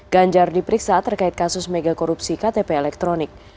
ganjar diperiksa terkait kasus mega korupsi ktp elektronik